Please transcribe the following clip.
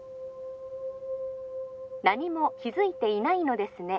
☎何も気づいていないのですね